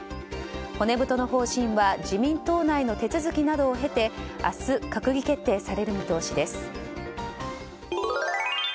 骨太の方針は自民党内の手続きなどを経て明日、閣議決定される見通しです。